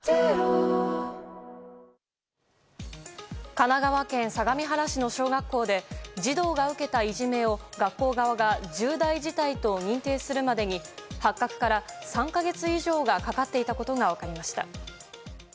神奈川県相模原市の小学校で児童が受けたいじめを学校側が重大事態と認定するまでに発覚から３か月以上がかかっていたことが分かりました。